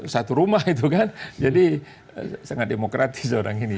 satu rumah itu kan jadi sangat demokratis orang ini